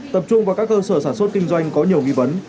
tập trung vào các cơ sở sản xuất kinh doanh có nhiều nghi vấn